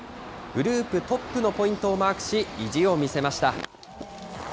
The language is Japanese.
グループトップのポイントをマークし、意地を見せました。